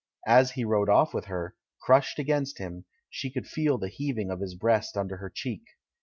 As he rode off with her, crushed against him, she could feel the heaving of his breast under her cheek.